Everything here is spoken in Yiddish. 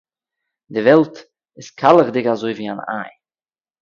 די וועלט איז קײַלעכדיק אַזוי ווי אַן איי.